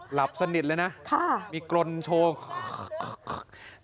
หลับสนิทเลยน่ะค่ะมีกรนโชคนี่แหละฮะ